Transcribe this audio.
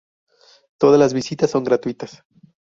Todas las visitas son gratuitas.